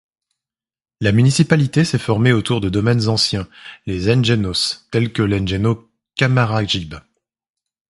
La municipalité s’est formée autour de domaines anciens, les “engenhos”, tel que l’engenho Camaragibe.